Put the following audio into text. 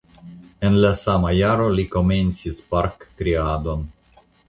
En la sama jaro li komencis parkkreadon.